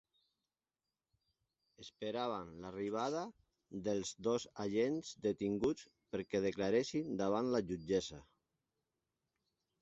Esperaven l’arribada dels dos agents detinguts perquè declaressin davant la jutgessa.